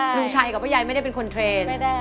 ลุงชัยกับป้ายายไม่ได้เป็นคนเทรนด์